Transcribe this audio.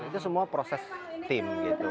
itu semua proses tim